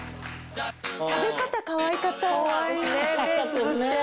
食べ方かわいかったですね。